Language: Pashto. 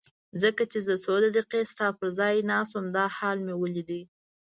ځکه چې زه څو دقیقې ستا پر ځای ناست وم دا حال مې ولید.